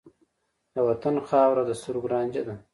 د وطن خاوره د سترګو رانجه ده.